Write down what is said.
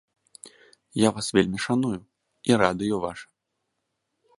Я вас вельмі шаную, і радыё ваша.